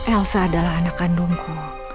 elsa adalah anak kandungku